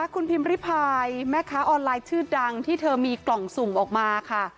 คุณพิมพิพายแม่ค้าออนไลน์ชื่อดังที่เธอมีกล่องสุ่มออกมาค่ะ